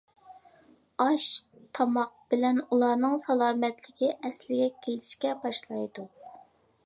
ئاش-تاماق بىلەن ئۇلارنىڭ سالامەتلىكى ئەسلىگە كېلىشكە باشلايدۇ.